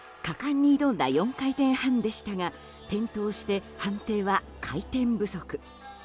果敢に挑んだ４回転半でしたが、転倒して判定は回転不足。